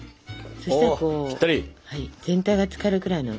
そしたら全体がつかるくらいの。